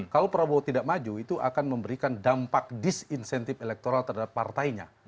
kalau prabowo tidak maju itu akan memberikan dampak disinsentif elektoral terhadap partainya